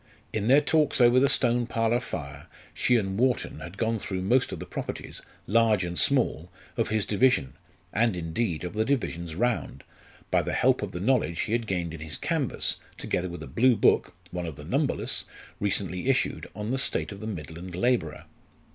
In their talks over the Stone Parlour fire she and Wharton had gone through most of the properties, large and small, of his division, and indeed of the divisions round, by the help of the knowledge he had gained in his canvass, together with a blue book one of the numberless! recently issued, on the state of the midland labourer.